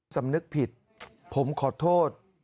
สำนึกผิดผมขอโทษ